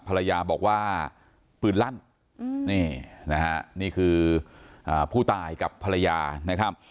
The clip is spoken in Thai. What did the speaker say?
ภรรยาบอกว่าปืนลั่นนี่นะฮะนี่คือผู้ตายกับภรรยานะครับ